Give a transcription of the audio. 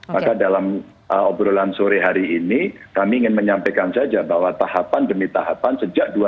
maka dalam obrolan sore hari ini kami ingin menyampaikan saja bahwa tahapan demi tahapan sejak dua ribu dua puluh